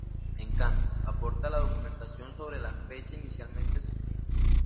En cambio, aporta la documentación sobre la fecha inicialmente señalada.